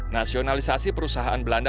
nasionalisasi perusahaan belanda